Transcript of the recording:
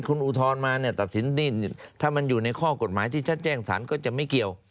คุณอุทธรณ์มาเนี่ยตัดสินดิ้นถ้ามันอยู่ในข้อกฎหมายที่ชัดแจ้งสารก็จะไม่เกี่ยว